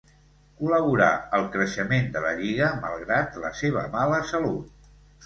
Col·laborà al creixement de la Lliga malgrat la seva mala salut.